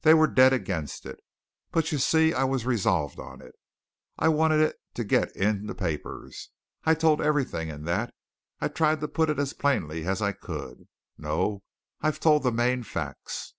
They were dead against it. But you see, I was resolved on it I wanted it to get in the papers. I told everything in that. I tried to put it as plainly as I could. No I've told the main facts."